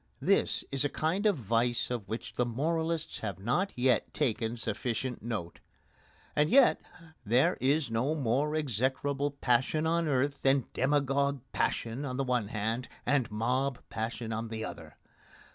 This is a kind of vice of which the moralists have not yet taken sufficient note. And yet there is no more execrable passion on earth than demagogue passion on the one hand, and mob passion on the other.